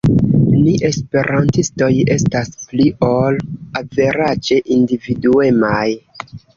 Ni esperantistoj estas pli ol averaĝe individuemaj.